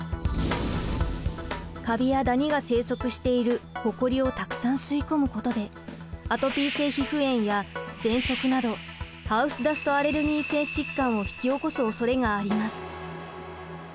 カビやダニが生息しているほこりをたくさん吸い込むことでアトピー性皮膚炎やぜんそくなどハウスダストアレルーギ性疾患を引き起こすおそれがあります。